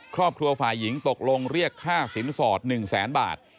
ครอบครัวฝ่ายหญิงตกลงเรียกค่าสินสอด๑แสนบาท